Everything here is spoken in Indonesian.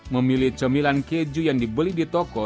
memilih cemilan keju yang dibeli di toko